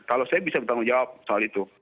kalau saya bisa bertanggung jawab soal itu